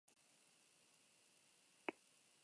Luzaideko bolant-dantza da.